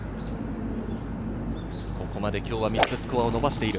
ここまで今日は３つスコアを伸ばしている。